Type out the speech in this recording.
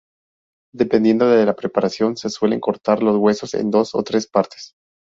Dependiendo de la preparación se suelen cortar los huesos en dos o tres partes.